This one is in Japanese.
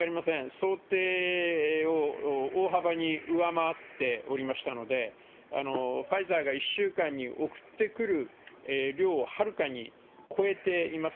想定を大幅に上回っておりましたので、ファイザーが１週間に送ってくる量をはるかに超えています。